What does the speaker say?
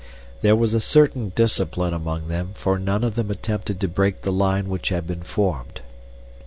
There was a certain discipline among them, for none of them attempted to break the line which had been formed.